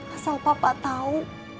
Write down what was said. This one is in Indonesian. asal papa tahu